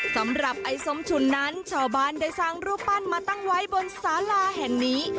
สำหรับไอ้ส้มฉุนนั้นชาวบ้านได้สร้างรูปปั้นมาตั้งไว้บนสาราแห่งนี้